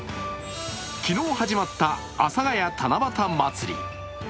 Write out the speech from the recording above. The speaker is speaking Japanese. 昨日始まった阿佐ヶ谷七夕まつり。